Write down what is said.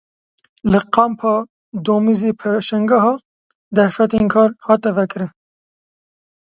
Li Kampa Domîzê pêşangeha derfetên kar hate vekirin.